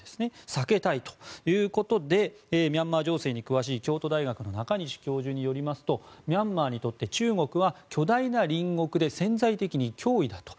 避けたいということでミャンマー情勢に詳しい京都大学の中西教授によりますとミャンマーにとって中国は巨大な隣国で潜在的に脅威だと。